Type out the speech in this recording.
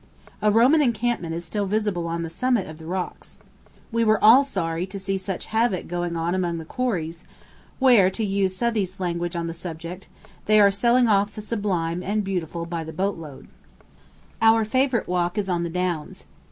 A Roman encampment is still visible on the summit of the rocks. We were all sorry, to see such havoc going on among the quarries, where, to use Southey's language on this subject, they are "selling off the sublime and beautiful by the boat load." [Illustration: Samuel Taylor Coleridge.] Our favorite walk is on the downs.